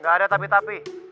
gak ada tapi tapi